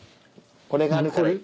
これがあるから。